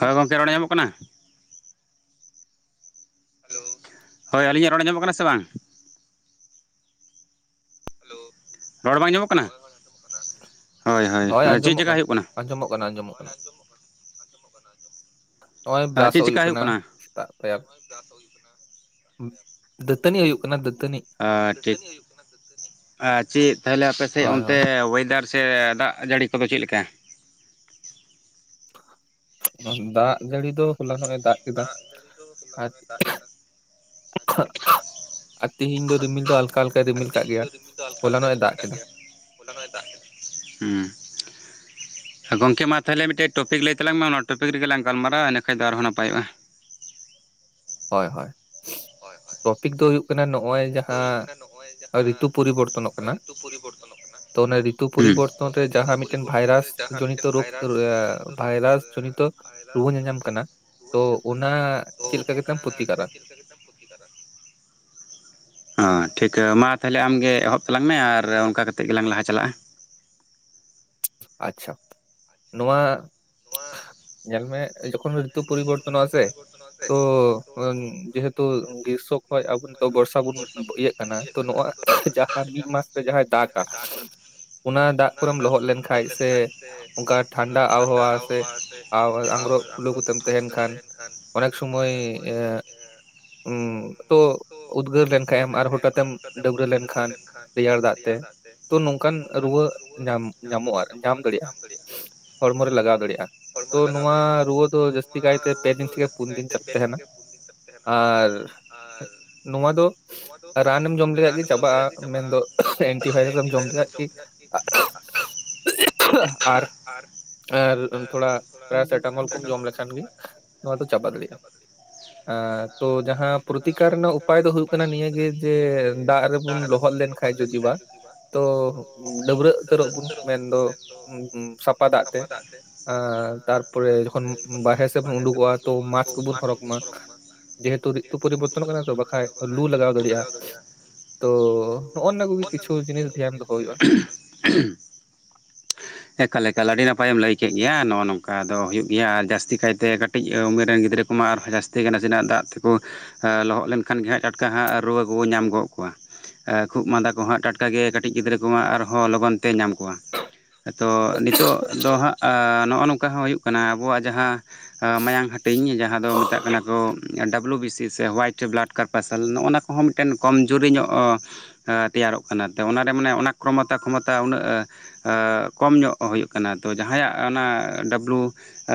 ᱦᱳᱭ ᱜᱚᱝᱠᱮ ᱨᱚᱲ ᱟᱸᱡᱚᱢᱚᱜ ᱠᱟᱱᱟ? ᱦᱮᱞᱳ ᱦᱚᱭ ᱟᱹᱞᱤᱧᱟᱜ ᱨᱚᱲ ᱟᱸᱡᱚᱢᱚᱜ ᱠᱟᱱᱟ ᱥᱮ ᱵᱟᱝ? ᱦᱮᱞᱳ, ᱨᱚᱲ ᱵᱟᱝ ᱟᱸᱡᱚᱢᱚᱜ ᱠᱟᱱᱟ? ᱨᱚᱲ ᱵᱟᱝ ᱟᱸᱡᱚᱢᱚᱜ ᱠᱟᱱᱟ ᱾ ᱦᱚᱭ ᱟᱸᱡᱚᱢᱚᱜ ᱠᱟᱱᱟ, ᱟᱸᱡᱚᱢᱚᱜ ᱠᱟᱱᱟ, ᱟᱸᱡᱚᱢᱚᱜ ᱠᱟᱱᱟ ᱾ ᱦᱚᱸᱜᱼᱚᱭ ᱵᱨᱟᱥᱚᱜ ᱦᱩᱭᱩᱜ ᱠᱟᱱᱟ ᱾ ᱥᱮᱛᱟᱜ ᱯᱟᱭᱟᱨ, ᱫᱟᱹᱛᱟᱹᱱᱤᱜ ᱦᱩᱭᱩᱜ ᱠᱟᱱᱟ ᱫᱟᱹᱛᱟᱹᱱᱤᱜ ᱾ ᱟ ᱴᱷᱤᱠ, ᱟᱨ ᱪᱤᱜ ᱛᱟᱞᱦᱮ ᱟᱯᱮ ᱥᱮᱡ ᱚᱱᱛᱮ ᱳᱭᱮᱫᱟᱨ ᱼᱼ ᱥᱮ ᱫᱟᱜ ᱡᱟᱹᱲᱤ ᱠᱚᱫᱚ ᱪᱮᱫ ᱞᱮᱠᱟ? ᱫᱟᱜ ᱡᱟᱹᱲᱤ ᱫᱚ ᱦᱚᱞᱟᱱᱚᱜ ᱼᱮ ᱫᱟᱜ ᱡᱟᱹᱲᱤ ᱫᱚ ᱦᱚᱞᱟᱱᱚᱜᱼᱮ ᱫᱟᱜ ᱠᱮᱫᱟ ᱾ [inaudible] ᱟᱨ ᱛᱤᱦᱤᱧ ᱫᱚ ᱨᱤᱢᱤᱞ ᱫᱚ ᱦᱟᱞᱠᱟ ᱦᱟᱞᱠᱟᱭ ᱨᱤᱢᱤᱞ ᱠᱟᱜ ᱜᱮᱭᱟ, ᱦᱚᱞᱟᱱᱚᱜᱼᱮ ᱫᱟᱜ ᱠᱮᱫᱟ᱾ ᱦᱚᱞᱟᱱᱚᱜᱼᱮ ᱫᱟᱜ ᱠᱮᱫᱟ ᱾ ᱦᱩᱸ ᱾ ᱜᱚᱝᱠᱮ ᱢᱟ ᱛᱟᱞᱦᱮ ᱢᱤᱫᱴᱮᱡ ᱴᱚᱯᱤᱠ ᱞᱟᱹᱭ ᱛᱟᱞᱟᱝ ᱢᱮ, ᱚᱱᱟ ᱴᱚᱯᱤᱠ ᱨᱮᱜᱮ ᱞᱟᱝ ᱜᱟᱞᱢᱟᱨᱟᱣᱟ ᱤᱱᱟᱹ ᱠᱷᱟᱡ ᱫᱚ ᱟᱨᱦᱚᱸ ᱱᱟᱯᱟᱭᱚᱜᱼᱟ ᱾ ᱦᱚᱭ ᱦᱚᱭ, ᱴᱚᱯᱤᱠ ᱫᱚ ᱦᱩᱭᱩᱜ ᱠᱟᱱᱟ ᱱᱚᱸᱜᱼᱚᱭ ᱡᱟᱦᱟᱸ ᱨᱤᱛᱩ ᱯᱚᱨᱤᱵᱚᱨ ᱼᱼ ᱛᱚᱱᱚᱜ ᱠᱟᱱᱟ ᱛᱚ ᱚᱱᱮ ᱨᱤᱛᱩ ᱯᱚᱨᱤᱵᱚᱨᱛᱚᱱ ᱨᱮ ᱡᱟᱦᱟᱸ ᱢᱤᱫᱴᱮᱱ ᱵᱷᱟᱭᱨᱟᱥ ᱡᱚᱱᱤᱛᱚ ᱨᱳᱜᱽ, ᱮ ᱵᱷᱟᱭᱨᱟᱥ ᱡᱚᱱᱤᱛᱚ ᱨᱩᱣᱟᱹ ᱧᱟᱧᱟᱢ ᱠᱟᱱᱟ ᱾ ᱛᱚ ᱚᱱᱟ ᱪᱤᱫ ᱞᱮᱠᱟ ᱠᱟᱛᱮᱢ ᱯᱚᱛᱤᱠᱟᱨᱟ? ᱦᱚᱸ ᱴᱷᱤᱠᱟᱹ ᱢᱟ ᱛᱟᱞᱦᱮ ᱟᱢ ᱜᱮ ᱮᱦᱚᱵ ᱛᱟᱞᱟᱝ ᱢᱮ ᱟᱨ ᱚᱱᱠᱟ ᱠᱟᱛᱮᱫ ᱜᱮᱞᱟᱝ ᱞᱟᱦᱟ ᱪᱟᱞᱟᱜᱼᱟ ᱾ ᱟᱪᱪᱷᱟ, ᱱᱚᱶᱟ ᱧᱮᱞ ᱢᱮ ᱾ ᱡᱚᱠᱷᱚᱱ ᱜᱮ ᱨᱤᱛᱩ ᱯᱚᱨᱤᱵᱚᱨᱛᱚᱱᱚᱜ-ᱟ ᱥᱮ᱾ [unintelligible] ᱡᱮᱦᱮᱛᱩ ᱜᱨᱤᱨᱥᱚ ᱠᱷᱚᱡ ᱟᱵᱚ ᱱᱤᱛᱚᱜ ᱜᱚᱨᱥᱟ ᱵᱩᱱ ᱤᱭᱟᱹᱜ ᱼᱼ ᱠᱟᱱᱟ ᱛᱚ ᱱᱚᱣᱟ ᱡᱟᱦᱟᱸ ᱢᱤᱫ ᱢᱟᱥ ᱨᱮ ᱡᱟᱦᱟᱸᱭ ᱫᱟᱜ ᱠᱟ ᱚᱱᱟ ᱫᱟᱜ ᱠᱚᱨᱮᱢ ᱞᱚᱦᱚᱫ ᱞᱮᱱ ᱼᱼ ᱞᱚᱦᱚᱜ ᱞᱮᱱᱠᱷᱟᱡ ᱥᱮ ᱚᱱᱠᱟᱱ ᱴᱷᱟᱱᱰᱟ ᱟᱵᱚᱦᱟᱣᱟ ᱥᱮ ᱟᱝᱨᱚᱵ [inaudible] ᱛᱮ ᱼᱼ ᱠᱷᱟᱱ ᱚᱱᱮᱠ ᱥᱩᱢᱚᱭ ᱼᱼ ᱩᱸ ᱛᱚ ᱩᱫᱽᱜᱟᱹᱨ ᱞᱮᱱᱠᱷᱟᱡ ᱮᱢ ᱟᱨ ᱦᱚᱴᱟᱛ ᱮᱢ ᱰᱟᱹᱵᱽᱨᱟᱹ ᱞᱮᱱᱠᱷᱟᱱᱼᱼ ᱛᱮ ᱛᱚ ᱱᱚᱝᱠᱟᱱ ᱨᱩᱣᱟᱹ ᱧᱟᱢ ᱧᱟᱢᱚᱜᱼᱟ᱾ ᱧᱟᱢᱚᱜᱼᱟ ᱧᱟᱢ ᱫᱟᱹᱲᱤᱡ ᱾ ᱦᱚᱲᱢᱚ ᱨᱮ ᱞᱟᱜᱟᱣ ᱫᱟᱲᱤᱜᱼᱟ ᱾ ᱛᱚ ᱱᱚᱣᱟ ᱨᱩᱣᱟᱹ ᱫᱚ ᱡᱟᱹᱥᱛᱤ ᱠᱟᱭᱛᱮ ᱯᱮ ᱫᱤᱱ ᱛᱷᱮᱠᱮ ᱯᱩᱱ ᱫᱤᱱ ᱪᱟᱞᱟᱜ ᱛᱟᱦᱮᱱᱟ ᱟᱨ ᱼᱼ ᱟᱨ ᱼᱼ ᱱᱚᱣᱟ ᱫᱚ ᱨᱟᱱᱮᱢ ᱡᱚᱢ ᱞᱮᱠᱷᱟᱡ ᱜᱮ ᱪᱟᱵᱟᱜᱼᱟ ᱢᱮᱱᱫᱚ ᱼᱼ ᱮᱱᱴᱤ ᱵᱷᱟᱭᱨᱟᱥ ᱮᱢ ᱡᱚᱢ ᱞᱮᱠᱷᱟᱡ ᱜᱤ ᱼᱼ ᱟᱨ ᱼᱼ ᱟᱨ ᱛᱷᱚᱲᱟ ᱯᱮᱨᱟᱥᱮᱴᱟᱢᱚᱞ ᱠᱚᱢ ᱡᱚᱢ ᱞᱮᱠᱷᱟᱱ ᱜᱤ ᱱᱚᱣᱟ ᱫᱚ ᱪᱟᱵᱟ ᱫᱟᱲᱮᱜ-ᱟ ᱾ ᱟᱫᱚ ᱡᱟᱦᱟᱸ ᱯᱨᱚᱛᱤᱠᱟᱨ ᱨᱮᱱᱟᱜ ᱩᱯᱟᱭ ᱫᱚ ᱦᱩᱭᱩᱜ ᱠᱟᱱᱟ ᱱᱤᱭᱟᱹ ᱜᱮ ᱡᱮ ᱫᱟᱜ ᱨᱮ ᱼᱼ ᱵᱚᱱ ᱞᱚᱦᱚᱫ ᱞᱮᱱᱠᱷᱟᱡ ᱡᱩᱫᱤ ᱵᱟ ᱛᱚ ᱰᱟᱹᱵᱨᱟᱹᱜ ᱩᱛᱟᱹᱨᱚᱜ ᱵᱚᱱ ᱾ ᱢᱮᱱ ᱫᱚ ᱥᱟᱯᱷᱟ ᱫᱟᱜ ᱛᱮ ᱛᱟᱨᱯᱚᱨᱮ ᱡᱚᱠᱷᱚᱱ ᱵᱟᱦᱮ ᱥᱮᱜ ᱵᱚᱱ ᱩᱰᱩᱠᱚᱜᱼᱟ᱾ ᱥᱚᱨᱚᱠ ᱢᱟ [inaudible] ᱡᱮᱦᱮᱛᱩ ᱨᱤᱛᱩ ᱯᱚᱨᱤᱵᱚᱨᱛᱚᱱᱚᱜ ᱠᱟᱱᱟ ᱛᱚ ᱵᱟᱠᱷᱟᱡ ᱞᱩ ᱞᱟᱜᱟᱣ ᱫᱟᱲᱤᱜᱼᱟ ᱛᱚ ᱱᱚᱜᱚᱱᱟ ᱼᱼ ᱦᱮᱸ ᱠᱟᱞᱮ ᱠᱟᱞᱟᱰᱤ ᱱᱟᱯ ᱼᱼ ᱱᱟᱯᱟᱭ ᱮᱢ ᱞᱟᱹᱭ ᱠᱮᱜ ᱜᱮᱭᱟ ᱱᱚᱜᱼᱚ ᱱᱚᱝᱠᱟ ᱫᱚ ᱦᱩᱭᱩᱜ ᱜᱤᱭᱟ ᱟᱨ ᱡᱟᱹᱥᱛᱤ ᱠᱟᱭᱛᱮ ᱠᱟᱹᱴᱤᱡ ᱩᱢᱮᱨ ᱨᱮᱱ ᱜᱤᱫᱽᱨᱟᱹ ᱠᱚᱢᱟ ᱟᱨᱦᱚᱸ ᱡᱟᱹᱥ ᱼᱼ ᱛᱮᱸ ᱠᱟᱱᱟ ᱱᱟᱥᱮᱱᱟᱜ ᱫᱟᱜ ᱛᱤᱠᱚ ᱞᱚᱦᱚᱫ ᱞᱮᱱᱠᱷᱟᱱ ᱜᱮ ᱦᱟᱸᱜ ᱴᱟᱴᱠᱟ ᱦᱟᱸᱜ ᱨᱩᱣᱟᱹ ᱠᱚ ᱧᱟᱢ ᱜᱚᱜ ᱠᱚᱣᱟ ᱾ ᱠᱷᱩᱜ ᱢᱟᱸᱫᱟ ᱠᱚ ᱦᱟᱸᱜ ᱴᱟᱴᱠᱟᱜᱮ ᱠᱟᱹᱴᱤᱡ ᱜᱤᱫᱽᱨᱟᱹ ᱠᱚ ᱦᱟᱸᱜ ᱟᱨᱦᱚᱸ ᱞᱚᱜᱚᱱ ᱛᱮ ᱧᱟᱢ ᱠᱚᱣᱟ᱾ ᱛᱚ ᱱᱤᱛᱚᱜ ᱫᱚ ᱦᱟᱸᱜ ᱱᱚᱜᱼᱚ ᱱᱚᱝᱠᱟ ᱦᱚᱸ ᱦᱩᱭᱩᱜ ᱠᱟᱱᱟ ᱟᱵᱚᱣᱟᱜ ᱡᱟᱦᱟᱸ ᱢᱟᱭᱟᱝ ᱦᱟ ᱼᱼ ᱦᱟᱹᱴᱤᱧ ᱡᱟᱦᱟᱸ ᱫᱚ ᱢᱮᱛᱟᱜ ᱠᱟᱱᱟ ᱠᱚ ᱼᱼ ᱵᱞᱩ ᱵᱤᱥᱤ ᱥᱮ ᱦᱳᱣᱟᱭᱤᱴ ᱵᱞᱟᱰ ᱠᱟᱨᱯᱟᱥᱟᱞ ᱱᱚᱜ ᱱᱟ ᱠᱚᱦᱚᱸ ᱢᱤᱫᱴᱮᱱ ᱠᱚᱢᱡᱩᱨᱤ ᱧᱚᱜᱼᱼ ᱛᱮᱭᱟᱨᱚᱜ ᱠᱟᱱᱟ ᱚᱱᱟᱨᱮ ᱢᱟᱱᱮ ᱚᱱᱟ ᱠᱷᱚᱢᱚᱛᱟ ᱠᱷᱚᱢᱚᱛᱟ ᱩᱱᱟᱹᱜ᱾ ᱠᱚᱢ ᱧᱚᱜ ᱦᱩᱭᱩᱜ ᱠᱟᱱᱟ ᱛᱚ ᱡᱟᱦᱟᱭᱟᱜ ᱚᱱᱟ ᱰᱟᱹᱵᱞᱩᱼᱼ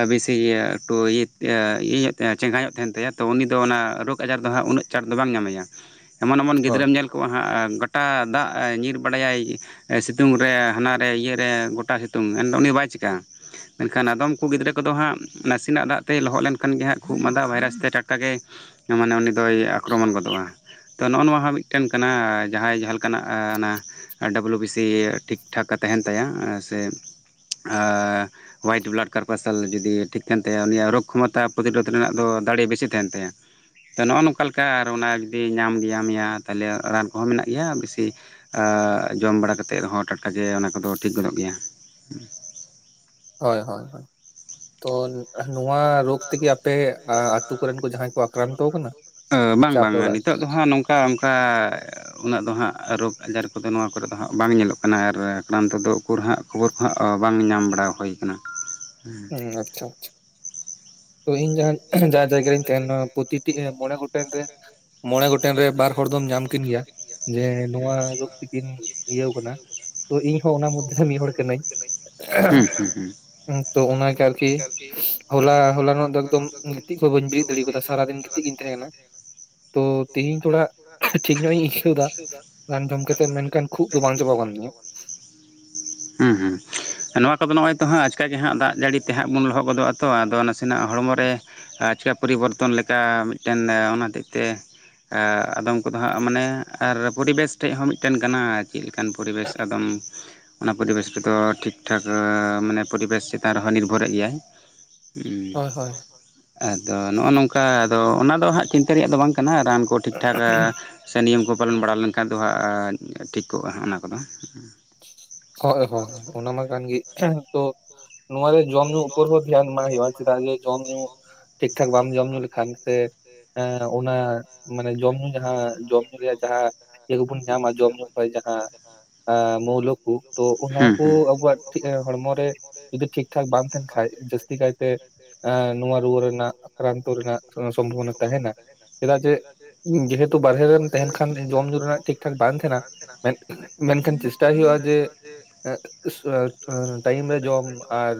ᱵᱮᱥᱤᱭᱟ ᱮᱠᱴᱩᱤᱭᱟᱹ ᱤᱭᱟᱹ ᱚᱜᱟ ᱪᱮᱸᱜᱟᱭ ᱧᱚᱜ ᱛᱟᱦᱮᱱ ᱛᱟᱭᱟ ᱛᱚ ᱩᱱᱤ ᱫᱚ ᱚᱱᱟ ᱨᱳᱜᱽ ᱟᱡᱟᱨ ᱫᱚ ᱦᱟᱸᱜ ᱩᱱᱟᱹᱜᱼᱼ ᱟᱪᱟᱨ ᱫᱚ ᱵᱟᱝ ᱧᱟᱢᱮᱭᱟ ᱮᱢᱚᱱ ᱮᱢᱚᱱ ᱜᱤᱫᱽᱨᱟᱹᱢ ᱧᱮᱞ ᱠᱚᱣᱟ ᱦᱟᱸᱜ ᱜᱚᱴᱟ ᱫᱟᱜ ᱧᱤᱨ ᱵᱟᱲᱟᱭᱟᱭ᱾ ᱥᱤᱛᱩᱝ ᱨᱮ ᱦᱟᱱᱟᱨᱮ ᱤᱭᱟᱹᱨᱮ ᱜᱳᱚᱴᱟ ᱥᱤᱛᱩᱝ ᱮᱱᱫᱚ ᱩᱱᱤ ᱵᱟᱭ ᱪᱤᱠᱟᱹᱜᱼᱟ᱾ ᱢᱮᱱᱠᱷᱟᱱ ᱟᱫᱚᱢ ᱠᱚ ᱜᱤᱫᱽᱨᱟᱹ ᱠᱚᱫᱚ ᱦᱟᱸᱜᱼᱼ ᱱᱟᱥᱮᱱᱟᱜ ᱫᱟᱜ ᱛᱮ ᱞᱚᱦᱚᱫ ᱞᱮᱱᱠᱷᱟᱱ ᱜᱮ ᱦᱟᱸᱜ ᱠᱷᱩᱜ ᱢᱟᱸᱫᱟ ᱵᱷᱟᱭᱨᱟᱥ ᱛᱮ ᱴᱟᱴᱠᱟ ᱜᱮᱼᱼ ᱢᱟᱱᱮ ᱩᱱ ᱫᱚᱭ ᱟᱠᱨᱚᱢᱚᱱ ᱜᱚᱫᱚᱜᱼᱟ ᱛᱚ ᱱᱚᱜᱼᱚ ᱱᱚᱣᱟ ᱦᱚᱸ ᱢᱤᱫᱴᱮᱱ ᱠᱟᱱᱟ᱾ ᱡᱟᱦᱟᱸᱭ ᱡᱟᱦᱟᱸ ᱞᱮᱠᱟᱱᱟᱜ ᱚᱱᱟ ᱰᱟᱵᱞᱩ ᱵᱤᱥᱤ ᱴᱷᱤᱠᱴᱷᱟᱠ ᱛᱟᱦᱮᱱ ᱛᱟᱭᱟ ᱥᱮ᱾ ᱟᱨ [inaudible] ᱦᱳᱣᱟᱭᱤᱴ ᱵᱞᱟᱰ ᱠᱟᱨᱯᱟᱥᱟᱞ ᱡᱩᱫᱤ ᱴᱷᱤᱠ ᱠᱟᱱ ᱛᱟᱭᱟ ᱩᱱᱤᱭᱟᱜ ᱨᱳᱜᱽ ᱠᱷᱚᱢᱚᱛᱟ ᱯᱨᱚᱛᱤᱨᱳᱫᱷᱚ ᱨᱮᱱᱟᱜ ᱫᱚ ᱫᱟᱲᱮ ᱵᱮᱥᱤ ᱛᱟᱦᱮᱱ ᱛᱟᱭᱟ᱾ ᱛᱚ ᱱᱚᱜᱼᱚ ᱱᱚᱝᱠᱟ ᱞᱮᱠᱟ ᱚᱱᱟ ᱡᱩᱫᱤ ᱧᱟᱢ ᱜᱮᱭ ᱜᱮᱭᱟ ᱛᱟᱦᱞᱮ ᱨᱟᱱ ᱠᱚᱦᱚᱸ ᱢᱮᱱᱟᱜ ᱜᱮᱭᱟ ᱵᱤᱥᱤᱼᱼ ᱡᱚᱢ ᱵᱟᱲᱟ ᱠᱟᱛᱮᱫ ᱦᱚᱸ ᱴᱟᱴᱠᱟᱜᱮ ᱚᱱᱟ ᱠᱚᱫᱚ ᱴᱷᱤᱠ ᱜᱟᱱᱚᱜ ᱜᱮᱭᱟ᱾ ᱦᱳᱭ ᱦᱳᱭ ᱛᱚ ᱱᱚᱣᱟ ᱨᱳᱜ ᱛᱮᱠᱤᱼᱼ ᱵᱟᱝ ᱵᱟᱝ ᱱᱤᱛᱚᱜ ᱫᱚ ᱦᱟᱸᱜ ᱱᱚᱝᱠᱟᱼᱼ ᱚᱱᱠᱟ ᱚᱱᱠᱟᱼᱼ ᱩᱱᱟᱹᱜ ᱫᱚ ᱦᱟᱸᱜ ᱨᱳᱜᱽ ᱟᱡᱟᱨ ᱠᱚᱫᱚ ᱱᱚᱣᱟ ᱠᱚᱨᱮ ᱫᱚ ᱦᱟᱸᱜ ᱵᱟᱝ ᱧᱮᱞᱚᱜ ᱠᱟᱱᱟ ᱟᱨ ᱟᱠᱨᱟᱱᱛᱚ ᱫᱚ ᱩᱠᱩᱨ ᱦᱟᱸᱜᱼᱼ ᱠᱷᱚᱵᱚᱨ ᱠᱚᱦᱟᱜ ᱵᱟᱝ ᱧᱟᱢ ᱵᱟᱲᱟ ᱦᱩᱭᱩ ᱟᱠᱟᱱᱟ᱾ ᱦᱩ ᱟᱪᱪᱷᱟ ᱛᱚ ᱤᱧ ᱡᱟᱦᱟᱸ ᱡᱟ ᱡᱟᱭᱜᱟ ᱨᱤᱧ ᱛᱟᱦᱮᱱᱟ ᱯᱚᱛᱤᱴᱤ ᱮᱸ ᱢᱚᱬᱮ ᱦᱚᱴᱮᱱ ᱨᱮ ᱢᱚᱬᱮ ᱜᱚᱴᱮᱱ ᱨᱮ ᱵᱟᱨ ᱦᱚᱲ ᱫᱚᱢ ᱧᱟᱢ ᱠᱤᱱ ᱜᱮᱭᱟ ᱡᱮ ᱱᱚᱣᱟ ᱨᱳᱜᱽ ᱛᱤᱠᱤᱱ ᱤᱭᱟᱹᱣ ᱠᱟᱱᱟ ᱛᱚ ᱤᱧᱦᱚ ᱚᱱᱟ ᱢᱚᱫᱽᱫᱷᱮᱨᱮ ᱢᱤᱫ ᱦᱚᱲ ᱠᱟᱹᱱᱟᱹᱧ᱾ ᱛᱚ ᱚᱱᱟ ᱜᱮ ᱟᱨᱠᱤ ᱦᱚᱞᱟ ᱦᱚᱞᱟ ᱮᱠᱫᱚᱢ ᱜᱤᱛᱤᱡ ᱠᱷᱚᱡ ᱵᱟᱹᱧ ᱵᱤᱨᱤᱫ ᱫᱟᱲᱮᱣ ᱠᱟᱫᱟ ᱥᱟᱨᱟ ᱫᱤᱱ ᱜᱤᱛᱤᱡ ᱜᱤᱧ ᱛᱟᱦᱮᱸ ᱠᱟᱱᱟ᱾ ᱛᱚ ᱛᱤᱦᱤᱧ ᱫᱚ ᱦᱟᱸᱜ ᱴᱷᱤᱠ ᱜᱮ ᱵᱟᱹᱧ ᱵᱩᱡᱷᱟᱹᱶ ᱫᱟ᱾ ᱨᱟᱱ ᱡᱚᱢ ᱠᱮᱛᱮᱫ ᱢᱮᱱ ᱠᱷᱟᱱ ᱠᱷᱩᱜ ᱫᱚ ᱵᱟᱝ ᱪᱟᱵᱟ ᱠᱟᱱ ᱛᱤᱧᱟᱹ᱾ ᱦᱩᱸ ᱦᱩᱸ ᱱᱚᱣᱟ ᱠᱚᱫᱚ ᱱᱚᱜᱚᱭ ᱛᱚ ᱦᱟᱸᱜ ᱟᱪᱠᱟ ᱜᱮ ᱦᱟᱸᱜ ᱫᱟᱜ ᱡᱟᱹᱲᱤ ᱛᱮ ᱦᱟᱸᱜ ᱵᱚᱱ ᱞᱚᱦᱚᱫ ᱜᱚᱫᱚᱜ-ᱟ ᱛᱚ ᱟᱫᱚ ᱱᱟᱥᱮ ᱦᱮᱱᱟᱜ ᱦᱚᱲᱢᱚᱨᱮ ᱟᱪᱠᱟ ᱯᱚᱨᱤᱵᱚᱨᱛᱚᱱ ᱞᱮᱠᱟ ᱢᱤᱫ ᱴᱮᱱ ᱚᱱᱟ ᱦᱚᱛᱮᱡᱛᱮ ᱟᱫᱚᱢ ᱠᱚᱫᱚ ᱦᱟᱸᱜ ᱢᱟᱱᱮ ᱟᱨ ᱯᱚᱨᱤᱵᱮᱥ ᱴᱷᱮᱡ ᱦᱚᱸ ᱢᱤᱫ ᱴᱮᱱ ᱜᱟᱱᱟ᱾ ᱪᱮᱫ ᱞᱮᱠᱟᱱ ᱯᱚᱨᱤᱵᱮᱥ ᱟᱫᱚᱢ ᱚᱱᱟ ᱯᱚᱨᱤᱵᱮᱥ ᱨᱮᱫᱚ ᱴᱷᱤᱠ ᱴᱷᱟᱠ ᱢᱟᱱᱮ ᱯᱚᱨᱤᱵᱮᱥ ᱪᱮᱛᱟᱱ ᱨᱮᱦᱚᱸᱭ ᱱᱤᱨᱵᱷᱚᱨᱮᱜ ᱜᱮᱭᱟᱭ᱾ ᱟᱫᱚ ᱱᱚᱜᱚ ᱱᱚᱝᱠᱟ ᱟᱫᱚ ᱚᱱᱟ ᱫᱚ ᱦᱟᱸᱜ ᱪᱤᱱᱛᱟᱹ ᱨᱮᱭᱟᱜ ᱫᱚ ᱵᱟᱝ ᱠᱟᱱᱟ ᱨᱟᱱ ᱠᱚ ᱴᱷᱤᱠ ᱴᱷᱟᱠ ᱥᱮ ᱱᱤᱭᱚᱢ ᱠᱚ ᱯᱟᱞᱚᱱ ᱵᱟᱲᱟ ᱞᱮᱱᱠᱷᱟᱱ ᱫᱚ ᱦᱟᱸᱜ ᱴᱷᱤᱠ ᱠᱚᱜᱟ ᱦᱟᱸᱜ ᱚᱱᱟ ᱠᱚᱫᱚ᱾ ᱦᱳᱭ ᱦᱳᱭ ᱦᱳᱭ ᱚᱱᱟ ᱢᱟ ᱠᱟᱱ ᱜᱮ ᱛᱚ [inaudible] ᱱᱚᱣᱟ ᱫᱚ ᱡᱚᱢ ᱧᱩ ᱩᱯᱚᱨ ᱦᱚᱸ ᱫᱷᱮᱭᱟᱱ ᱮᱢᱟᱜ ᱦᱳᱭᱳᱜ-ᱟ ᱪᱮᱫᱟᱜ ᱡᱮ ᱡᱚᱢ ᱧᱩ ᱴᱷᱤᱠ ᱴᱷᱟᱠ ᱵᱟᱢ ᱡᱚᱢ ᱧᱩ ᱞᱮᱠᱷᱟᱱ ᱥᱮ ᱮᱸ ᱚᱱᱟ ᱢᱟᱱᱮ ᱡᱚᱢ ᱧᱩ ᱡᱟᱦᱟᱸ ᱡᱚᱢ ᱧᱩ ᱨᱮᱭᱟᱜ ᱡᱟᱦᱟᱸ ᱤᱭᱟᱹ ᱠᱚᱵᱚᱱ ᱧᱟᱢᱟ ᱡᱚᱢ ᱧᱩ ᱠᱷᱚᱡ ᱡᱟᱦᱟᱸ ᱮᱸ ᱢᱳᱣᱞᱟᱹ ᱠᱩ ᱛᱚ ᱚᱱᱟ ᱠᱩ ᱟᱵᱚᱣᱟᱜ ᱦᱚᱲᱢᱚ ᱨᱮ ᱡᱩᱫᱤ ᱴᱷᱤᱠ ᱴᱷᱟᱠ ᱵᱟᱝ ᱛᱟᱦᱮᱱ ᱠᱷᱟᱡ ᱡᱟᱹᱥᱛᱤ ᱠᱟᱭ ᱛᱮ ᱱᱚᱣᱟ ᱨᱩᱣᱟᱹ ᱨᱮᱱᱟᱜ ᱟᱠᱨᱟᱱᱛᱚ ᱨᱮᱱᱟᱜ ᱥᱚᱢᱵᱷᱚᱵᱚᱱᱟ ᱛᱟᱦᱮᱱᱟ᱾ ᱪᱮᱫᱟᱜ ᱡᱮ ᱦᱩᱛᱩ ᱵᱟᱨᱦᱮ ᱨᱮᱢ ᱛᱟᱦᱮᱱ ᱠᱷᱟᱱ ᱡᱚᱢ ᱧᱩ ᱨᱮᱱᱟᱜ ᱴᱷᱤᱠ ᱴᱷᱟᱠ ᱵᱟᱝ ᱛᱟᱦᱮᱱᱟ ᱢᱮᱱᱠᱷᱟᱱ ᱪᱮᱥᱴᱟ ᱪᱟᱹᱭ ᱦᱳᱭᱳᱜ-ᱟ ᱡᱮ [unintelligible] ᱴᱟᱭᱤᱢ ᱨᱮ ᱡᱚᱢ ᱟᱨ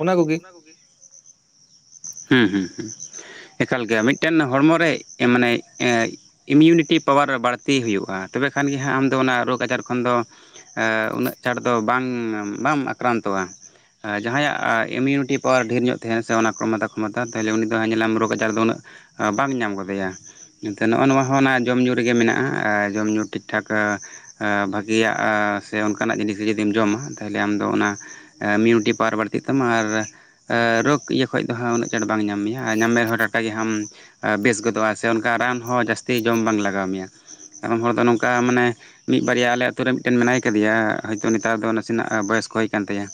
ᱚᱱᱟ ᱠᱚᱜᱮ ᱦᱩᱸ ᱦᱩᱸ ᱦᱩᱸ ᱮᱠᱟᱞ ᱜᱮᱭᱟ ᱢᱤᱫ ᱴᱮᱱ ᱦᱚᱲᱢᱚ ᱨᱮ ᱮ ᱢᱟᱱᱮ ᱮᱸ ᱮᱢᱤᱭᱩᱱᱤᱴᱤ ᱯᱟᱣᱟᱨ ᱵᱟᱹᱲᱛᱤ ᱦᱩᱭᱩᱜ-ᱟ ᱛᱚᱵᱮ ᱠᱷᱟᱱ ᱜᱮ ᱦᱟᱸᱜ ᱟᱢᱫᱚ ᱚᱱᱟ ᱨᱳᱜᱽ ᱟᱡᱟᱨ ᱠᱷᱚᱱ ᱫᱚ ᱮᱸ ᱩᱱᱟᱹᱜ ᱪᱷᱟᱲ ᱫᱚ ᱵᱟᱝ ᱵᱟᱢ ᱟᱠᱨᱟᱱᱛᱚᱜ-ᱟ᱾ ᱡᱟᱦᱟᱸᱭᱟᱜ ᱤᱢᱤᱭᱩᱱᱤᱴᱤ ᱯᱟᱣᱟᱨ ᱰᱷᱮᱨ ᱧᱚᱜ ᱛᱮᱦᱮᱱ-ᱟ ᱥᱮ ᱚᱱᱟ [unintelligible] ᱛᱟᱭᱞᱮ ᱩᱱᱤ ᱫᱚ ᱦᱟᱸᱜ ᱧᱮᱞᱟᱢ ᱨᱳᱜᱽ ᱟᱡᱟᱨ ᱫᱚ ᱩᱱᱟᱹᱜ ᱵᱟᱝ ᱧᱟᱢ ᱜᱚᱫᱮᱭ-ᱟ᱾ ᱮᱱᱛᱮ ᱱᱚᱜᱚ ᱱᱚᱣᱟ ᱦᱚᱸ ᱚᱱᱟ ᱡᱚᱢ ᱧᱩ ᱨᱮᱜᱮ ᱢᱮᱱᱟᱜ-ᱟ ᱟᱨ ᱡᱚᱢ ᱧᱩ ᱴᱷᱤᱠ ᱴᱷᱟᱠ ᱟ ᱵᱷᱟᱹᱜᱮᱭᱟᱜ ᱥᱮ ᱚᱱᱠᱟᱱᱟᱜ ᱡᱤᱱᱤᱥ ᱜᱮ ᱡᱩᱫᱤᱢ ᱡᱚᱢᱟ ᱛᱷᱟᱭᱞᱮ ᱟᱢ ᱫᱚ ᱚᱱᱟ ᱢᱤᱭᱩᱴᱤ ᱯᱟᱣᱟᱨ ᱵᱟᱹᱲᱛᱤᱜ ᱛᱟᱢᱟ ᱟᱨ ᱨᱳᱜᱽ ᱤᱭᱟᱹ ᱠᱷᱚᱡ ᱫᱚ ᱦᱟᱸᱜ ᱩᱱᱟᱹᱜ ᱪᱟᱬ ᱵᱟᱝ ᱧᱟᱢ ᱢᱮᱭᱟ ᱟᱨ ᱧᱟᱢ ᱢᱮ ᱨᱮᱦᱚᱸ ᱴᱟᱴᱠᱟ ᱜᱮ ᱦᱟᱢ ᱵᱮᱥ ᱜᱚᱫᱚᱜ-ᱟ ᱥᱮ ᱚᱱᱠᱟ ᱨᱟᱱ ᱦᱚᱸ ᱡᱟᱹᱥᱛᱤ ᱡᱚᱢ ᱵᱟᱝ ᱞᱟᱜᱟᱣ ᱢᱮᱭᱟ ᱠᱟᱨᱚᱱ ᱦᱚᱲ ᱫᱚ ᱱᱚᱝᱠᱟ ᱢᱟᱱᱮ ᱢᱤᱫ ᱵᱟᱨᱭᱟ ᱟᱞᱮ ᱟᱛᱳ ᱨᱮ ᱢᱤᱫ ᱴᱮᱱ ᱢᱮᱱᱟᱭ ᱠᱟᱫᱮᱭᱟ ᱦᱳᱭ ᱛᱚ ᱱᱮᱛᱟᱨ ᱫᱚ ᱱᱟᱥᱮᱱᱟᱜ ᱵᱚᱭᱚᱥ ᱠᱚ ᱦᱳᱭ ᱠᱟᱱ ᱛᱟᱭᱟ᱾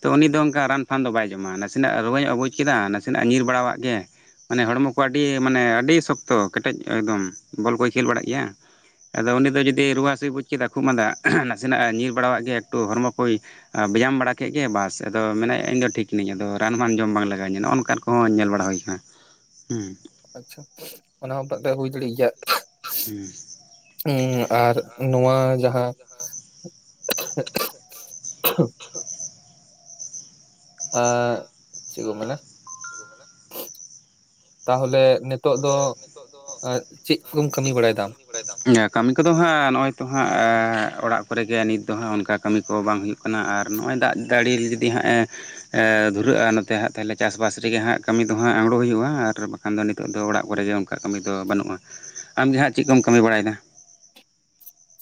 ᱛᱚ ᱩᱱᱤ ᱫᱚ ᱚᱝᱠᱟ ᱨᱟᱱ ᱯᱷᱟᱱ ᱫᱚ ᱵᱟᱭ ᱡᱚᱢᱟ ᱱᱟᱥᱮᱱᱟᱜ ᱨᱩᱣᱟᱹ ᱧᱚᱜᱮ ᱵᱩᱡᱽ ᱠᱮᱫᱟ ᱱᱟᱥᱮᱱᱟᱜᱮ ᱧᱤᱨ ᱵᱟᱲᱟᱣᱟᱜ ᱜᱮ ᱢᱟᱱᱮ ᱦᱚᱲᱢᱚ ᱠᱚ ᱟᱹᱰᱤ ᱢᱟᱱᱮ ᱟᱹᱰᱤ ᱥᱚᱠᱛᱚ ᱠᱮᱴᱮᱡ ᱮᱠᱫᱚᱢ ᱵᱚᱞ ᱠᱚᱭ ᱠᱷᱮᱞ ᱵᱟᱲᱟᱜ ᱜᱮᱭᱟ᱾ ᱟᱫᱚ ᱩᱱᱤ ᱫᱚ ᱡᱩᱫᱤ ᱨᱩᱣᱟᱹ ᱦᱟᱹᱥᱩᱭ ᱵᱩᱡ ᱠᱮᱫᱟ ᱠᱷᱩᱜ ᱢᱟᱸᱫᱟ ᱱᱟᱥᱮᱱᱟᱜ ᱮ ᱧᱤᱨ ᱵᱟᱲᱟᱣᱟᱜ ᱜᱮ ᱮᱠᱴᱩ ᱦᱚᱲᱢᱚ ᱠᱚᱭ ᱵᱮᱭᱟᱢ ᱵᱟᱲᱟ ᱠᱮᱫ ᱜᱮ ᱵᱟᱥ ᱟᱫᱚ ᱢᱮᱱ ᱟᱭ ᱤᱧ ᱫᱚ ᱴᱷᱤᱠ ᱦᱱᱤᱧᱟ ᱟᱫᱚ ᱨᱟᱱ ᱢᱟᱱ ᱡᱚᱢ ᱵᱟᱝ ᱞᱟᱜᱟᱣ ᱤᱧᱟ ᱱᱚᱜᱚ ᱱᱚᱝᱠᱟ ᱠᱚᱦᱚᱸ ᱧᱮᱞ ᱵᱟᱲᱟ ᱦᱩᱭ ᱠᱟᱱᱟ ᱦᱩᱸ ᱟᱪᱪᱷᱟ ᱚᱱᱟ ᱦᱩᱭ [unintelligible] ᱫᱟᱲᱮᱜ ᱷᱮᱭ-ᱟ᱾ ᱦᱩᱸ᱾ ᱤᱧ ᱟᱨ ᱱᱚᱣᱟ ᱡᱟᱦᱟᱸ ᱟ ᱨᱪᱮᱫ ᱠᱚ ᱢᱮᱱᱟ! ᱛᱟᱦᱚᱞᱮ ᱱᱤᱛᱳᱜ ᱫᱚ ᱪᱮᱫ ᱠᱚᱢ ᱠᱟᱹᱢᱤ ᱵᱟᱲᱟᱭ ᱫᱟᱢ? ᱠᱟᱹᱢᱤ ᱠᱚᱫᱚ ᱦᱟᱸᱜ ᱱᱚᱜᱼᱚᱭ ᱛᱚ ᱦᱟᱸᱜ ᱚᱲᱟᱜ ᱠᱚᱨᱮ ᱜᱮ ᱱᱤᱛ ᱫᱚ ᱦᱟᱸᱜ ᱚᱱᱠᱟ ᱠᱟᱹᱢᱤ ᱠᱚ ᱵᱟᱝ ᱦᱩᱭᱩᱜ ᱠᱟᱱᱟ ᱟᱨ ᱱᱚᱜᱼᱚᱭ ᱫᱟᱜ ᱡᱟᱲᱤ ᱡᱩᱫᱤ ᱦᱟᱸᱜᱼᱮ ᱮᱻ ᱫᱷᱩᱨᱟᱹᱜᱼᱟ ᱱᱚᱛᱮ ᱦᱟᱸᱜ ᱛᱟᱦᱞᱮ ᱪᱟᱥᱼᱵᱟᱥ ᱨᱮᱜᱮ ᱦᱟᱸᱜ ᱠᱟᱹᱢᱤ ᱫᱚ ᱦᱟᱸᱜ ᱦᱩᱲᱩ ᱦᱩᱭᱩᱜᱼᱟ ᱟᱨ ᱵᱟᱠᱷᱟᱱ ᱫᱚ ᱱᱤᱛ ᱱᱤᱛᱚᱜ ᱫᱚ ᱚᱲᱟᱜ ᱠᱚᱨᱮᱜ ᱚᱱᱠᱟ ᱠᱟᱹᱢᱤ ᱫᱚ ᱵᱟᱹᱱᱩᱜᱼᱟ, ᱟᱢ ᱜᱮ ᱦᱟᱸᱜ ᱪᱮᱫ ᱠᱚᱢ ᱠᱟᱹᱢᱤ ᱵᱟᱲᱟᱭ ᱮᱫᱟ?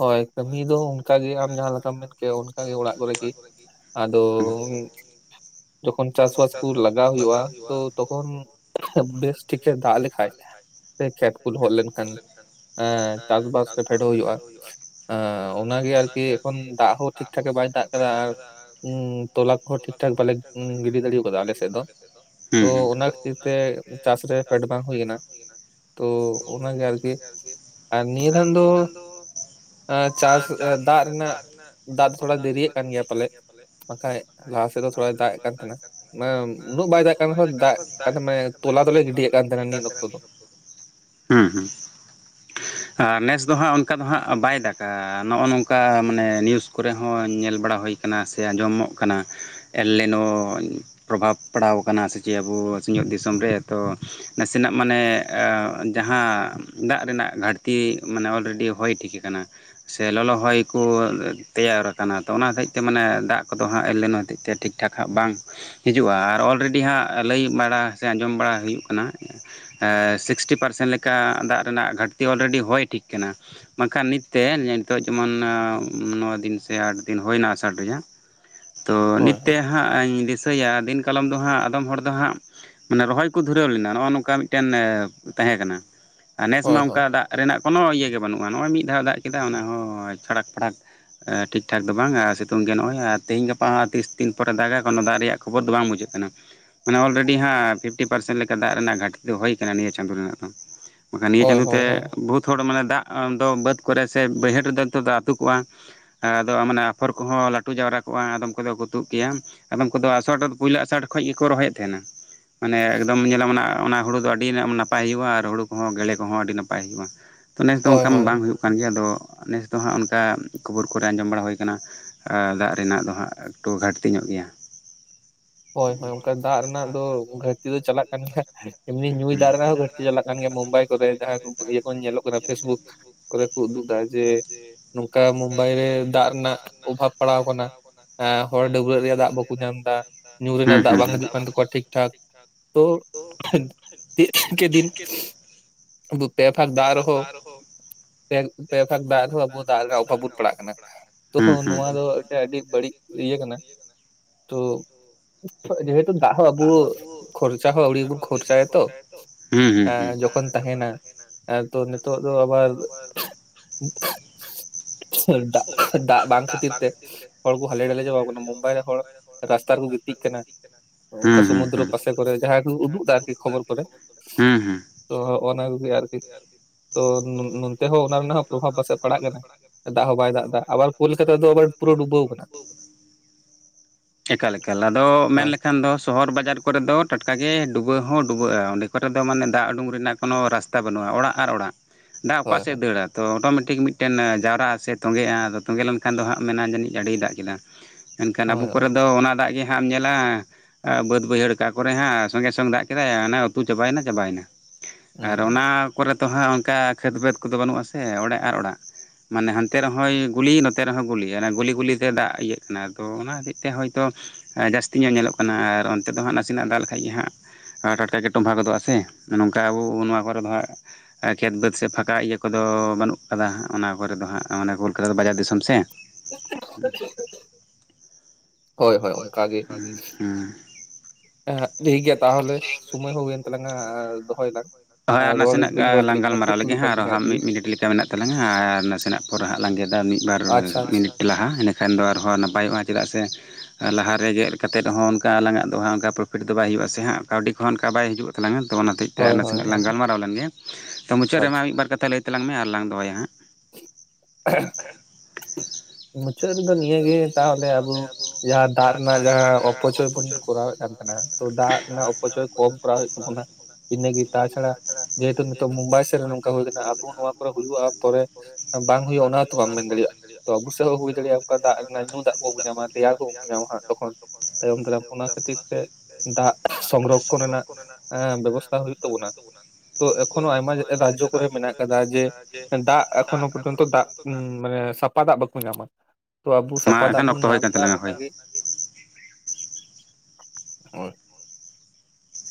ᱦᱳᱭ ᱠᱟᱹᱢᱤ ᱫᱚ ᱚᱱᱠᱟᱜᱮ ᱟᱢ ᱡᱟᱦᱟᱸ ᱞᱮᱠᱟᱢ ᱢᱮᱱ ᱠᱮᱭᱟ ᱚᱱᱠᱟᱜᱮ ᱚᱲᱟᱜ ᱠᱚᱨᱮᱜ ᱜᱮ᱾ ᱟᱫᱚ ᱡᱚᱠᱷᱚᱱ ᱪᱟᱥᱵᱟᱥ ᱠᱚ ᱞᱟᱜᱟᱣ ᱦᱳᱭᱳᱜᱼᱟ ᱛᱚ ᱛᱚᱠᱷᱚᱱ ᱵᱮᱥ ᱴᱷᱤᱠᱮ ᱫᱟᱜ ᱞᱮᱠᱷᱟᱡ ᱥᱮ ᱠᱷᱮᱛ ᱠᱚ ᱞᱚᱦᱚᱫ ᱞᱮᱱᱠᱷᱟᱱ ᱦᱮᱸ ᱪᱟᱥ ᱵᱟᱥ ᱛᱮ ᱯᱷᱮᱰᱚᱜ ᱦᱩᱭᱩᱜᱼᱟ᱾ ᱦᱩᱭᱩᱜᱼᱟ᱾ ᱮ ᱚᱱᱟᱜᱮ ᱟᱨᱠᱤ ᱮᱠᱷᱚᱱ ᱫᱟᱜ ᱦᱚᱸ ᱴᱷᱤᱠ ᱴᱷᱟᱠᱮ ᱵᱟᱭ ᱫᱟᱜ ᱟᱠᱟᱫᱟ ᱟᱨ ᱩ ᱛᱚᱞᱟ ᱠᱚᱦᱚᱸ ᱴᱷᱤᱠ ᱴᱷᱟᱠ ᱵᱟᱞᱮ ᱜᱤᱰᱤ ᱫᱟᱲᱮᱠᱟᱫᱟ ᱟᱞᱮᱥᱮᱫ ᱫᱚ᱾ ᱛᱚ ᱚᱱᱟ ᱠᱷᱟᱹᱛᱤᱨ ᱛᱮ ᱪᱟᱥᱨᱮ ᱯᱷᱮᱰ ᱵᱟᱝ ᱦᱩᱭᱱᱟ᱾ ᱛᱚ ᱚᱱᱟᱜᱮ ᱟᱨᱠᱤ ᱟᱨ ᱱᱤᱭᱟᱹ ᱠᱷᱟᱱ ᱫᱚ ᱮ ᱪᱟᱥ ᱫᱟᱜ ᱨᱮᱱᱟᱜ ᱫᱟᱜ ᱛᱷᱚᱲᱟ ᱫᱮᱨᱤᱭᱟᱜ ᱠᱟᱱ ᱜᱮᱭᱟ ᱯᱟᱞᱮ᱾ ᱵᱟᱠᱷᱟᱡ ᱞᱟᱦᱟ ᱥᱮᱫ ᱫᱚ ᱛᱷᱚᱲᱟᱭ ᱫᱟᱜ ᱮᱫ ᱠᱟᱱ ᱛᱟᱦᱮᱱᱟ ᱢᱮ ᱩᱱᱟᱹᱜ ᱵᱟᱭ ᱫᱟᱜ ᱠᱟᱱ ᱨᱮᱦᱚ ᱫᱟᱜ ᱠᱟᱫ ᱢᱮ ᱛᱚᱞᱟ ᱫᱚᱞᱮ ᱜᱤᱰᱤᱭᱮᱫ ᱠᱟᱱ ᱛᱟᱦᱮᱱᱟ ᱱᱤᱭᱟᱹ ᱤᱱ ᱚᱠᱛᱚ ᱫᱚ᱾ ᱦᱩᱸ ᱦᱩᱸ ᱾ ᱟᱨ ᱱᱮᱥ ᱫᱚ ᱦᱟᱸᱜ ᱚᱱᱠᱟ ᱫᱚ ᱦᱟᱸᱜ ᱵᱟᱭ ᱫᱟᱜᱟ ᱱᱚᱜᱼᱚ ᱱᱚᱝᱠᱟ ᱢᱟᱱᱮ ᱱᱤᱭᱩᱡᱽ ᱠᱚᱨᱮ ᱦᱚᱸᱧᱮᱞ ᱵᱟᱲᱟ ᱦᱩᱭ ᱠᱟᱱᱟ ᱥᱮ ᱟᱸᱡᱚᱢᱚᱜ ᱠᱟᱱᱟ ᱮᱞ ᱞᱮᱱᱚ ᱯᱨᱚᱵᱷᱟᱵᱽ ᱯᱟᱲᱟᱣ ᱠᱟᱱᱟ ᱥᱮ ᱪᱮᱫ ᱟᱵᱚ ᱥᱤᱧᱚᱛ ᱫᱤᱥᱚᱢ ᱨᱮ ᱛᱚ ᱱᱟᱥᱮᱱᱟᱜ ᱢᱟᱱᱮ ᱡᱟᱦᱟᱸ ᱫᱟᱜ ᱨᱮᱱᱟᱜ ᱜᱷᱟᱴᱛᱤ ᱢᱟᱱᱮ ᱚᱞᱨᱮᱰᱤ ᱦᱚᱭ ᱴᱷᱤᱠ ᱟᱠᱟᱱᱟ᱾ ᱥᱮ ᱞᱚᱞᱚ ᱦᱚᱭ ᱠᱚ ᱛᱮᱭᱟᱨ ᱟᱠᱟᱱᱟ ᱛᱚ ᱚᱱᱟ ᱦᱚᱛᱮᱡ ᱛᱮ ᱢᱟᱱᱮ ᱫᱟᱜ ᱠᱚᱫᱚ ᱦᱟᱸᱜ ᱮᱞᱱᱤᱱᱚ ᱦᱚᱛᱮᱡ ᱛᱮ ᱴᱷᱤᱠ ᱴᱷᱟᱠ ᱦᱟᱸᱜ ᱵᱟᱝ ᱦᱤᱡᱩᱜᱼᱟ ᱟᱨ ᱚᱞᱨᱮᱰᱤ ᱦᱟᱸᱜ ᱞᱟᱹᱭ ᱵᱟᱲᱟ ᱥᱮ ᱟᱸᱡᱚᱢ ᱵᱟᱲᱟ ᱦᱩᱭᱩᱜ ᱠᱟᱱᱟ ᱮ ᱥᱤᱠᱥᱴᱤ ᱯᱟᱨᱥᱮᱱ ᱞᱮᱠᱟ ᱫᱟᱜ ᱨᱮᱱᱟᱜ ᱜᱷᱟᱴᱛᱤ ᱚᱞᱨᱮᱰᱤ ᱦᱚᱭ ᱴᱷᱤᱠ ᱠᱟᱱᱟ᱾ ᱵᱟᱝᱠᱷᱟᱱ ᱱᱤᱛᱛᱮ ᱱᱤᱛᱚᱜ ᱡᱮᱢᱚᱱ ᱱᱚ ᱫᱤᱱ ᱥᱮ ᱟᱴ ᱫᱤᱱ ᱦᱩᱭᱱᱟ ᱟᱥᱟᱲ ᱨᱮᱭᱟᱜ ᱛᱚ ᱱᱤᱛᱛᱮ ᱦᱟᱸᱜ ᱤᱧ ᱫᱤᱥᱟᱹᱭᱟ ᱫᱤᱱ ᱠᱟᱞᱚᱢ ᱫᱚ ᱦᱟᱸᱜ ᱟᱫᱚᱢ ᱦᱚᱲ ᱫᱚ ᱦᱟᱸᱜ ᱢᱟᱱᱮ ᱨᱚᱦᱚᱭ ᱠᱚ ᱫᱷᱩᱨᱟᱹᱣ ᱞᱮᱱᱟ ᱱᱚᱣᱚ ᱱᱚᱝᱠᱟ ᱢᱤᱫᱴᱮᱱ ᱛᱟᱦᱮᱸ ᱠᱟᱱᱟ ᱟᱨ ᱱᱮᱥ ᱢᱟ ᱚᱱᱠᱟ ᱫᱟᱜ ᱨᱮᱱᱟᱜ ᱠᱳᱱᱳ ᱤᱭᱟᱹ ᱜᱮ ᱵᱟᱹᱱᱩᱜᱼᱟ ᱱᱚᱜᱼᱚᱭ ᱢᱤᱫ ᱫᱷᱟᱣ ᱫᱟᱜ ᱠᱮᱫᱟ ᱚᱱᱟ ᱦᱚᱸ ᱪᱷᱟᱲᱟᱠ ᱯᱷᱟᱲᱟᱠ ᱴᱷᱤᱠ ᱴᱷᱟᱠ ᱫᱚ ᱵᱟᱝ ᱟᱨ ᱥᱤᱛᱩᱝ ᱫᱤᱱ ᱱᱚᱜᱼᱚᱭ ᱟᱨ ᱛᱤᱦᱤᱧ ᱜᱟᱯᱟ ᱦᱚᱸ ᱛᱤᱥ ᱛᱤᱱ ᱯᱚᱴᱮ ᱫᱟᱜᱟ ᱠᱚᱱᱳ ᱫᱟᱜ ᱨᱮᱭᱟᱜ ᱠᱷᱚᱵᱚᱨ ᱫᱚ ᱵᱟᱝ ᱵᱩᱡᱷᱟᱹᱜ ᱠᱟᱱᱟ᱾ ᱢᱟᱱᱮ ᱚᱞᱨᱮᱰᱤ ᱦᱟᱸᱜ ᱯᱷᱤᱯᱴᱤ ᱯᱟᱨᱥᱮᱱ ᱞᱮᱠᱟ ᱫᱟᱜ ᱨᱮᱱᱟᱜ ᱜᱷᱟᱴᱛᱤ ᱫᱚ ᱦᱩᱭ ᱟᱠᱟᱱᱟ ᱱᱤᱭᱟᱹ ᱪᱟᱸᱫᱳ ᱨᱮᱱᱟᱜ ᱫᱚ᱾ ᱵᱟᱠᱷᱟᱱ ᱱᱤᱭᱟᱹ ᱪᱟᱸᱫᱳ ᱛᱮ ᱵᱚᱦᱩᱛ ᱦᱚᱲ ᱢᱟᱱᱮ ᱫᱟᱜ ᱫᱚ ᱵᱟᱹᱫ ᱠᱚᱨᱮ ᱥᱮ ᱵᱟᱹᱭᱦᱟᱹᱲ ᱨᱮᱫᱚ ᱱᱤᱛᱚᱜ ᱫᱚ ᱟᱹᱛᱩ ᱠᱚᱜᱼᱟ᱾ ᱟᱫᱚ ᱢᱟᱱᱮ ᱟᱯᱷᱚᱨ ᱠᱚᱦᱚᱸ ᱞᱟᱹᱴᱩ ᱡᱟᱣᱨᱟ ᱠᱚᱜᱼᱟ ᱟᱫᱚᱢ ᱠᱚᱫᱚ ᱠᱚ ᱛᱩᱫ ᱠᱮᱭᱟ ᱟᱫᱚᱢ ᱠᱚᱫᱚ ᱪᱷᱚᱴ ᱯᱩᱭᱞᱳ ᱟᱥᱟᱲ ᱠᱷᱚᱡ ᱜᱮᱠᱚ ᱨᱚᱦᱚᱭᱮᱫ ᱛᱟᱦᱮᱱᱟ ᱢᱟᱱᱮ ᱮᱠᱫᱚᱢ ᱧᱮᱞᱟᱢ ᱚᱱᱟ ᱚᱱᱟ ᱦᱩᱲᱩ ᱫᱚ ᱟᱹᱰᱤ ᱟᱹᱰᱤᱱᱟᱜ ᱱᱟᱯᱟᱭ ᱦᱩᱭᱩᱜᱼᱟ ᱟᱨ ᱦᱩᱲᱩ ᱠᱚᱦᱚᱸ ᱜᱮᱞᱮ ᱠᱚᱦᱚᱸ ᱟᱹᱰᱤ ᱱᱟᱯᱟᱭ ᱦᱩᱭᱩᱜᱼᱟ ᱛᱚ ᱱᱮᱥ ᱫᱚ ᱚᱱᱠᱟ ᱵᱟᱝ ᱦᱩᱭᱩᱜ ᱠᱟᱱ ᱜᱮᱭᱟ ᱟᱫᱚ ᱱᱮᱥ ᱫᱚ ᱦᱟᱸᱜ ᱚᱱᱠᱟ ᱠᱷᱚᱵᱚᱨ ᱠᱚᱨᱮ ᱟᱸᱡᱚᱢ ᱵᱟᱲᱟ ᱦᱩᱭ ᱠᱟᱱᱟ᱾ ᱟ ᱫᱟᱜ ᱨᱮᱱᱟᱜ ᱫᱚ ᱦᱟᱸᱜ ᱮᱠᱴᱩ ᱜᱷᱟᱴᱛᱤ ᱧᱚᱜ ᱜᱮᱭᱟ᱾ ᱦᱳᱭ ᱦᱳᱭ ᱚᱱᱠᱟ ᱫᱟᱜ ᱨᱮᱱᱟᱜ ᱫᱚ ᱜᱷᱟᱹᱴᱛᱤ ᱫᱚ ᱪᱟᱞᱟᱜ ᱠᱟᱱ ᱜᱮᱭᱟ᱾ ᱮᱢᱱᱤ ᱧᱩᱭ ᱫᱟᱜ ᱨᱮᱱᱟᱜ ᱦᱚᱸ ᱜᱷᱟᱹᱴᱛᱤ ᱪᱟᱞᱟᱜ ᱠᱟᱱ ᱜᱮᱭᱟ ᱢᱩᱢᱵᱟᱭ ᱠᱚᱨᱮ ᱡᱟᱦᱟᱸ ᱤᱭᱟᱹ ᱠᱚ ᱧᱮᱞᱚᱜ ᱠᱟᱱᱟ ᱯᱷᱮᱥᱵᱩᱠ ᱠᱚᱨᱮ ᱠᱚ ᱩᱫᱩᱜ ᱫᱟ ᱡᱮ ᱱᱚᱝᱠᱟ ᱢᱩᱢᱵᱟᱭ ᱨᱮ ᱫᱟᱜ ᱨᱮᱱᱟᱜ ᱚᱵᱷᱟᱵᱽ ᱯᱟᱲᱟᱣ ᱠᱟᱱᱟ᱾ ᱟᱹ ᱦᱚᱲ ᱰᱟᱹᱵᱨᱟᱹᱜ ᱨᱮᱭᱟᱜ ᱫᱟᱜ ᱵᱟᱠᱚ ᱧᱟᱢ ᱮᱫᱟ, ᱧᱩ ᱨᱮᱱᱟᱜ ᱫᱟᱜ ᱵᱟᱝ ᱦᱟᱹᱡᱩᱜ ᱠᱟᱱ ᱛᱟᱠᱚᱣᱟ ᱴᱷᱤᱠ ᱴᱷᱟᱠ, ᱛᱚ ᱫᱤᱱ ᱠᱮ ᱫᱤᱱ ᱟᱵᱚ ᱯᱮ ᱵᱷᱟᱠ ᱫᱟᱜ ᱨᱮᱦᱚ ᱯᱮ ᱯᱮ ᱵᱷᱟᱜᱽ ᱫᱟᱜ ᱨᱮᱦᱚᱸ ᱟᱵᱚ ᱫᱟᱜ ᱨᱮᱭᱟᱜ ᱚᱵᱷᱟᱵᱽ ᱵᱚᱱ ᱯᱟᱲᱟᱜ ᱠᱟᱱᱟ, ᱛᱚᱦᱚ ᱱᱚᱣᱟ ᱫᱚ ᱟᱹᱰᱤᱴᱟ ᱟᱹᱰᱤ ᱵᱟᱹᱲᱤᱡ ᱤᱭᱟᱹ ᱠᱟᱱᱟ, ᱛᱚ ᱡᱮᱦᱮᱛᱩ ᱫᱟᱜ ᱦᱚᱸ ᱟᱵᱚ ᱠᱷᱚᱨᱪᱟ ᱦᱚᱸ ᱟᱹᱣᱲᱤᱭᱟᱵᱚ ᱠᱷᱚᱨᱪᱟᱭᱟ ᱛᱚ, ᱮᱸᱻ ᱡᱚᱠᱷᱚᱱ ᱛᱟᱦᱮᱱᱟ ᱛᱚ ᱱᱤᱛᱳᱜ ᱫᱚ ᱟᱵᱟᱨ [inaudible] ᱫᱟᱜ ᱫᱟᱜ ᱵᱟᱝ ᱠᱷᱟᱹᱛᱤᱨ ᱛᱮ ᱦᱚᱲ ᱠᱚ ᱦᱟᱞᱮ ᱰᱟᱞᱮ ᱪᱟᱵᱟᱣ ᱠᱟᱱᱟ ᱢᱩᱢᱵᱟᱭ ᱨᱮ ᱦᱚᱲ ᱦᱚᱲ ᱨᱟᱥᱛᱟ ᱨᱮ ᱠᱚ ᱜᱤᱛᱤᱡ ᱠᱟᱱᱟ, ᱦᱩᱸ, ᱦᱩᱸ, ᱦᱩᱸ, ᱥᱚᱢᱩᱫᱽᱨᱚᱯᱟᱥᱮ ᱠᱚᱨᱮ ᱡᱟᱦᱟ ᱠᱚ ᱩᱫᱩᱜ ᱫᱟ ᱟᱨᱠᱤ ᱠᱷᱚᱵᱚᱨ ᱦᱩᱸ ᱦᱩᱸ ᱾ ᱛᱚ ᱦᱚᱜᱼᱚᱱᱟ ᱠᱚᱜᱮ ᱟᱨᱠᱤ, ᱛᱚ ᱱᱚᱱᱛᱮ ᱦᱚᱸ ᱚᱱᱟ ᱨᱮᱱᱟᱜ ᱦᱚᱸ ᱯᱨᱚᱵᱷᱟᱵᱽ ᱯᱟᱥᱮᱡ ᱯᱟᱲᱟᱜ ᱠᱟᱱᱟ! ᱫᱟᱜ ᱦᱚᱸ ᱵᱟᱭ ᱫᱟᱜ ᱫᱟ, ᱟᱵᱟᱨ ᱠᱳᱞᱠᱟᱛᱟ ᱫᱚ ᱟᱵᱟᱨ ᱯᱩᱨᱟᱹ ᱰᱩᱵᱟᱹᱣ ᱠᱟᱱᱟ ᱾ ᱮᱠᱟᱞ ᱮᱠᱟᱞ, ᱟᱫᱚ ᱢᱮᱱ ᱞᱮᱠᱷᱟ ᱠᱷᱟᱱ ᱫᱚ ᱥᱚᱦᱚᱨ ᱵᱟᱡᱟᱨ ᱠᱚᱨᱮ ᱫᱚ ᱴᱟᱴᱠᱟᱜ ᱜᱮ ᱰᱩᱵᱟᱹ ᱦᱚᱸ ᱰᱩᱵᱟᱹᱜᱼᱟ, ᱚᱸᱰᱮ ᱠᱚᱨᱮ ᱫᱚ ᱢᱟᱱᱮ ᱫᱟᱜ ᱩᱰᱩᱝ ᱨᱮᱱᱟᱜ ᱠᱚᱱᱳ ᱨᱟᱥ ᱛᱟ ᱵᱟᱹᱱᱩᱜᱼᱟ, ᱚᱲᱟᱜ ᱟᱨ ᱚᱲᱟᱜ ᱫᱟᱜ ᱚᱠᱟ ᱥᱮᱫ ᱫᱟᱹᱲᱟ? ᱛᱚ ᱚᱴᱳᱢᱮᱴᱤᱠ ᱢᱤᱫᱴᱮᱱ ᱡᱟᱣᱨᱟᱜᱼᱟ ᱥᱮᱫ ᱛᱚᱸᱜᱮᱜᱼᱟ ᱟᱫᱚ ᱛᱚᱸᱜᱮ ᱞᱮᱱᱠᱷᱟᱱ ᱫᱚ ᱦᱟᱸᱜ ᱢᱮᱱᱟ ᱡᱟᱹᱱᱤᱡ ᱟᱹᱰᱤᱭ ᱫᱟᱜ ᱠᱮᱫᱟ, ᱮᱱᱠᱷᱟᱱ ᱟᱵᱚ ᱠᱚᱨᱮ ᱫᱚ ᱚᱱᱟ ᱫᱟᱜ ᱜᱮ ᱦᱟᱸᱜ ᱮᱢ ᱧᱮᱞᱟ ᱟᱹᱻ ᱵᱟᱹᱫ ᱵᱟᱹᱭᱦᱟᱹᱲ ᱟᱠᱟ ᱠᱚᱨᱮ ᱦᱟᱸᱜ ᱥᱚᱸᱜᱮ ᱥᱚᱝ ᱫᱟᱜ ᱠᱮᱫᱟᱭ ᱚᱱᱮ ᱟᱹᱛᱩ ᱪᱟᱵᱟᱭᱱᱟ ᱪᱟᱵᱟᱭᱱᱟ ᱾ ᱟᱨ ᱚᱱᱟ ᱠᱚᱨᱮ ᱛᱚ ᱦᱟᱸᱜ ᱚᱱᱠᱟ ᱠᱷᱟᱹᱮᱛ ᱵᱟᱹᱫᱽ ᱠᱚᱫᱚ ᱵᱟᱹᱱᱩᱜ ᱟᱥᱮ ᱚᱲᱟᱜ ᱟᱨ ᱚᱲᱟᱜ, ᱢᱟᱱᱮ ᱦᱟᱱ ᱛᱮ ᱨᱮᱦᱚᱸᱚᱭ ᱜᱩᱞᱤ ᱱᱚᱛᱮ ᱨᱮᱦᱚᱸ ᱜᱩᱞᱤ, ᱚᱱᱮ ᱜᱩᱞᱤ ᱜᱩᱞᱤ ᱛᱮ ᱫᱟᱜ ᱤᱭᱟᱹᱜ ᱠᱟᱱᱟ ᱛᱚ ᱚᱱᱟ ᱦᱚᱛᱮᱡ ᱛᱮ ᱦᱚᱭᱛᱚ ᱟ ᱡᱟᱹᱥᱛᱤ ᱧᱚᱜ ᱧᱮᱞᱚᱜ ᱠᱟᱱᱟ ᱟᱨ ᱚᱱᱛᱮ ᱫᱚ ᱦᱟᱸᱜ ᱱᱟᱥᱮᱱᱟᱜ ᱫᱟᱜ ᱞᱮᱠᱷᱟᱡ ᱜᱮ ᱦᱟᱸᱜ ᱴᱟᱴᱠᱟᱜᱮ ᱴᱚᱢᱵᱷᱟ ᱜᱚᱫᱚᱜ ᱟᱥᱮ, ᱱᱚᱝᱠᱟ ᱟᱵᱚ ᱱᱚᱣᱟ ᱠᱚᱨᱮ ᱫᱚ ᱦᱟᱸᱜ ᱠᱷᱮᱛ ᱵᱟᱹᱫᱽ ᱥᱮ ᱯᱷᱟᱸᱠᱟ ᱤᱭᱟᱹ ᱠᱚᱫᱚ ᱵᱟᱹᱱᱩᱜ ᱠᱟᱫᱟ ᱦᱟᱸᱜ ᱚᱱᱟ ᱠᱚᱨᱮ ᱫᱚ ᱦᱟᱸᱜ ᱾ ᱚ ᱢᱟᱱᱮ ᱠᱳᱞᱠᱟᱛᱟ ᱫᱚ ᱵᱟᱡᱟᱨ ᱫᱤᱥᱚᱢ ᱥᱮ ᱾ [inaudible] ᱦᱳᱭ ᱦᱳᱭ ᱚᱝᱠᱟ ᱜᱮ ᱾ ᱦᱮᱸ ᱾ ᱦᱮᱸ ᱴᱷᱤᱠ ᱜᱮᱭᱟ ᱛᱟᱦᱚᱞᱮ ᱥᱳᱢᱚᱭ ᱦᱚᱸ ᱦᱩᱭᱮᱱ ᱛᱟᱞᱟᱝᱟ ᱟᱨ ᱫᱚᱦᱚᱭᱟᱞᱟᱝ ᱾ ᱦᱳᱭ ᱟᱨ ᱱᱟᱥᱮᱱᱟᱜ ᱞᱟᱝ ᱜᱟᱞᱢᱟᱨᱟᱣ ᱞᱮᱜᱮ ᱦᱟᱸᱜ ᱟᱨᱚ ᱢᱤᱫ ᱢᱤᱱᱤᱴ ᱞᱮᱠᱟ ᱢᱮᱱᱟᱜ ᱛᱟᱞᱟᱝᱟ ᱟᱨ ᱱᱟᱥᱮᱱᱟᱜ ᱠᱚᱨᱟ ᱦᱟᱜ ᱞᱟᱝ ᱜᱮᱫᱟ ᱢᱤᱫ ᱵᱟᱨ ᱢᱤᱱᱤᱴ ᱞᱟᱦᱟ ᱮᱸᱰᱮᱠᱷᱟᱱ ᱫᱚ ᱟᱨᱦᱚᱸ ᱱᱟᱯᱟᱭᱚᱜᱼᱟ, ᱪᱮᱫᱟᱜ ᱥᱮ ᱞᱟᱦᱟᱨᱮ ᱜᱮᱫ ᱠᱟᱛᱮᱫ ᱦᱚᱸ ᱚᱱᱠᱟ ᱟᱞᱟᱝ ᱟᱜ ᱫᱚ ᱦᱟᱸᱜ ᱚᱱᱠᱟ ᱯᱨᱚᱯᱷᱤᱴ ᱫᱚ ᱵᱟᱭ ᱦᱩᱭᱩᱜᱼᱟ ᱥᱮ ᱦᱟᱸᱜ, ᱠᱟᱹᱣᱰᱤ ᱠᱚᱦᱚᱸ ᱚᱱᱠᱟ ᱵᱟᱭ ᱦᱤᱡᱩᱜ ᱛᱟᱞᱟᱝᱟ ᱛᱚ ᱚᱱᱟ ᱦᱚᱛᱮᱡ ᱛᱮ ᱱᱟᱥᱮᱱᱟᱜ ᱞᱟᱝ ᱜᱟᱞᱢᱟᱨᱟᱣ ᱞᱮᱱᱜᱮ, ᱛᱚ ᱢᱩᱪᱟᱹᱫ ᱨᱮᱢᱟ ᱢᱤᱫᱵᱟᱨ ᱠᱟᱛᱷᱟ ᱞᱟᱹᱭ ᱛᱟᱞᱟᱝ ᱢᱮ ᱟᱨᱞᱟᱝ ᱫᱚᱦᱚᱭᱟ ᱦᱟᱸᱜ ᱾ [inaudible] ᱢᱩᱪᱟᱹᱫ ᱨᱮᱫᱚ ᱱᱤᱭᱟᱹᱜᱮ ᱛᱟᱦᱚᱞᱮ ᱟᱵᱩ ᱡᱟᱦᱟᱸ ᱫᱟᱜ ᱨᱮᱱᱟᱜ ᱡᱟᱦᱟᱸ ᱚᱯᱚᱪᱚᱭ ᱵᱚᱱ ᱠᱚᱨᱟᱣᱮᱫ ᱠᱟᱱ ᱠᱟᱱᱟ ᱛᱚ ᱫᱟᱜ ᱨᱮᱱᱟᱜ ᱚᱯᱚᱪᱚᱭ ᱠᱚᱢ ᱠᱚᱨᱟᱣ ᱦᱩᱭᱩᱜ ᱛᱟᱵᱚᱱᱟ ᱾ ᱤᱱᱟᱹᱜᱮ ᱛᱟᱪᱷᱟᱲᱟ ᱡᱮᱦᱮᱛᱩ ᱱᱤᱛᱚᱜ ᱢᱩᱢᱵᱟᱭ ᱥᱮᱫ ᱨᱮ ᱱᱚᱝᱠᱟ ᱦᱩᱭ ᱠᱟᱱᱟ ᱟᱵᱚ ᱱᱚᱣᱟ ᱠᱚᱨᱮ ᱦᱩᱭᱩᱜᱼᱟ ᱯᱚᱨᱮ ᱾ ᱵᱟᱝ ᱦᱩᱭᱩᱜᱼᱟ ᱚᱱᱟ ᱦᱚᱸᱛᱚ ᱵᱟᱢ ᱢᱮᱱ ᱫᱟᱲᱮᱭᱟᱜᱼᱟ, ᱛᱚ ᱟᱵᱚ ᱥᱮᱫ ᱦᱚᱸ ᱦᱩᱭ ᱫᱟᱲᱮᱭᱟᱜᱼᱟ ᱾ ᱚᱠᱟ ᱫᱟᱜ ᱨᱮᱱᱟᱜ ᱧᱩ ᱫᱟᱜ ᱠᱚᱵᱚ ᱧᱟᱢᱟ ᱫᱮᱭᱟ ᱠᱚᱵᱚ ᱧᱟᱢᱟ ᱦᱟᱸᱜ ᱛᱚᱠᱷᱚᱱ ᱛᱟᱭᱚᱢ ᱫᱟᱨᱟᱢ ᱚᱱᱟ ᱠᱷᱟᱹᱛᱤᱨ ᱛᱮ ᱫᱟᱜ ᱥᱚᱝᱨᱚᱠᱠᱷᱚᱱ ᱨᱮᱱᱟᱜ ᱮᱸ ᱵᱮᱵᱚᱥᱛᱛᱟ ᱦᱩᱭᱩᱜ ᱛᱟᱵᱚᱱᱟ ᱾ ᱛᱚ ᱮᱠᱷᱚᱱᱳ ᱟᱭᱢᱟ ᱨᱟᱡᱽᱡᱚ ᱠᱚᱨᱮ ᱢᱮᱱᱟᱜ ᱟᱠᱟᱫᱟ ᱡᱮ ᱫᱟᱜ ᱮᱠᱷᱚᱱᱳ ᱯᱚᱨᱡᱚᱱᱛᱚ ᱫᱟᱜ ᱩᱸ ᱢᱟᱱᱮ ᱥᱟᱯᱟ ᱫᱟᱜ ᱵᱟᱠᱚ ᱧᱟᱢᱟ ᱾ᱛᱚ ᱟᱵᱚ ᱥᱟᱯᱟ ᱫᱟᱜ ᱵᱩᱱ ᱧᱟᱢ ᱮᱫᱟ ᱚᱱᱟᱜᱮ ᱦᱳᱭ ᱾